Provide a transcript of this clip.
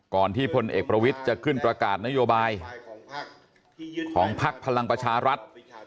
ที่พลเอกประวิทย์จะขึ้นประกาศนโยบายของพักพลังประชารัฐ